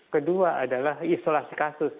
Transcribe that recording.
kedua adalah isolasi kasus